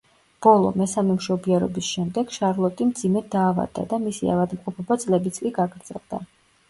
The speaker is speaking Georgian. ბოლო, მესამე მშობიარობის შემდეგ შარლოტი მძიმედ დაავადდა და მისი ავადმყოფობა წლებიც კი გაგრძელდა.